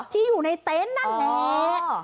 ที่อยู่ในเต็นต์นั่นแหละ